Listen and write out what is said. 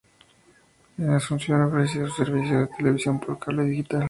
En Asunción ofrecía su servicio de televisión por cable digital.